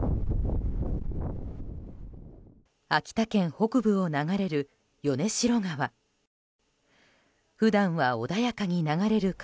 秋田県北部を流れる米代川。